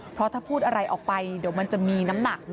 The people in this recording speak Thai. เพราะถ้าพูดอะไรออกไปเดี๋ยวมันจะมีน้ำหนัก